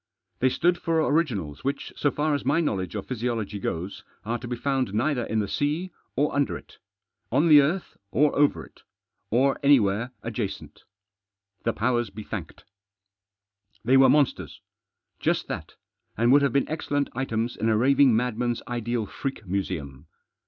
They stood for originals which, so far as my knowledge of physiology goes, are to be found neither in the sea, or under it ; on the earth, or over it ; or anywhere adjacent. The powers be thanked ! They were monsters ; just that, and would have been excellent items in a raving madman's ideal freak museum.